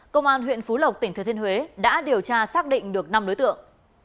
công an huyện phú lộc tỉnh thừa thiên huế đã điều tra xác định được năm đối tượng